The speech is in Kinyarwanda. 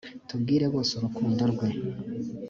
tubwire bose urukundo rwe